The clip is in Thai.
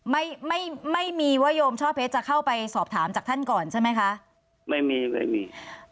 ไม่ไม่ไม่มีว่าโยมช่อเพชรจะเข้าไปสอบถามจากท่านก่อนใช่ไหมคะไม่มีไม่มี